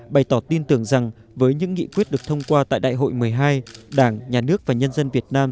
bày tỏ tin tưởng rằng với những nghị quyết được thông qua tại đại hội một mươi hai đảng nhà nước và nhân dân việt nam